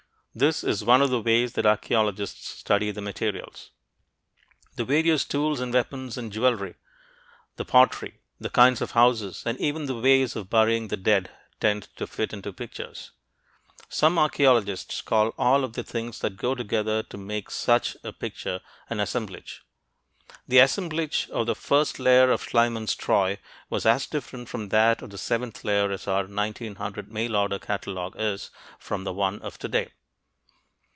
This is one of the ways that archeologists study their materials. The various tools and weapons and jewelry, the pottery, the kinds of houses, and even the ways of burying the dead tend to fit into pictures. Some archeologists call all of the things that go together to make such a picture an assemblage. The assemblage of the first layer of Schliemann's Troy was as different from that of the seventh layer as our 1900 mail order catalogue is from the one of today.